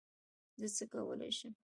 زه څه کولی شم؟